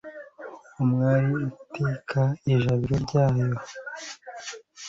Umwami ateka ijabiro ryarwo